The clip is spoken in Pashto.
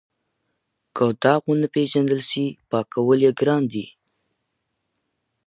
که داغ ونه پېژندل سي پاکول یې ګران دي.